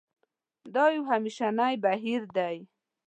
دا یو همېشنی بهیر دی.